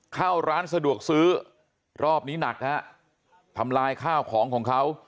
เข้าร้านสะดวกซื้อรอบนี้หนักฮะทำลายข้าวของของเขา